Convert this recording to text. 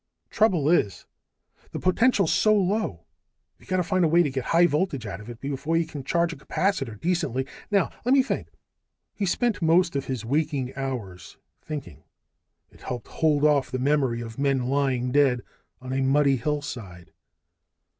"Trouble is, the potential's so low. You've got to find a way to get a high voltage out of it before you can charge a capacitor decently. Now let me think " He spent most of his waking hours thinking. It helped hold off the memory of men lying dead on a muddy hillside.